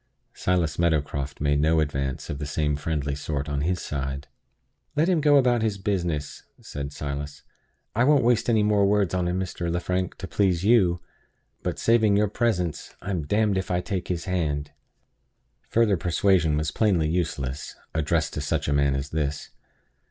Silas Meadowcroft made no advance of the same friendly sort on his side. "Let him go about his business," said Silas. "I won't waste any more words on him, Mr. Lefrank, to please you. But (saving your presence) I'm d d if I take his hand!" Further persuasion was plainly useless, addressed to such a man as this.